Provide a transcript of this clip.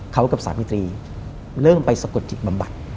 เขากับสามีตรีเริ่มไปสะกดจิตบำบัด